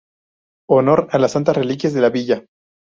Honor a las santas reliquias de la Villa.